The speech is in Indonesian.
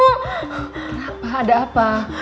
kenapa ada apa